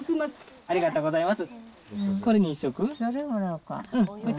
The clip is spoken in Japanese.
ありがとうございます。